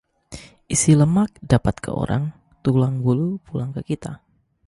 Isi lemak dapat ke orang, tulang bulu pulang ke kita